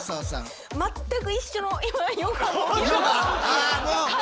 あもう。